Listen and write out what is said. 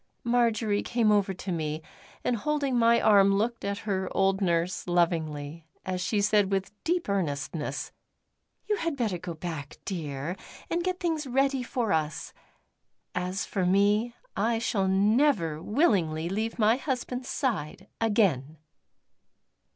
Marjory came over to me, and holding my arm looked at her old nurse lovingly as she said with deep earnestness: "You had better go back, dear, and get things ready for us. As for me, I shall never willingly leave my husband's side again!"